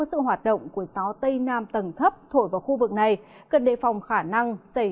do có sự hoạt động của gió tây nam tầng thấp thổi vào khu vực này cần đề phòng khả năng xảy ra sấm xét gió giật trong cơn rông